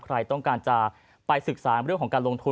ใครต้องการจะไปศึกษาเรื่องของการลงทุน